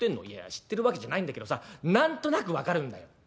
「いや知ってるわけじゃないんだけどさ何となく分かるんだよ。